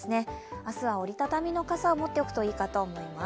明日は折り畳みの傘を持っておくといいと思います。